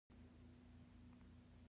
اکا دې ريښتيا وايي.